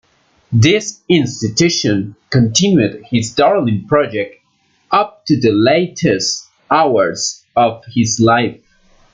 This institution continued his darling project up to the latest hours of his life.